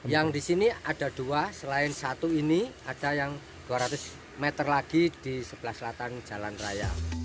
yang di sini ada dua selain satu ini ada yang dua ratus meter lagi di sebelah selatan jalan raya